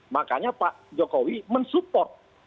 makanya pak jokowi mensupport